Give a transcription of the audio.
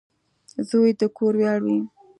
• زوی د کور ویاړ وي.